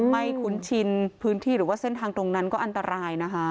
คุ้นชินพื้นที่หรือว่าเส้นทางตรงนั้นก็อันตรายนะคะ